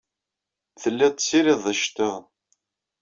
Telliḍ tessirideḍ iceṭṭiḍen.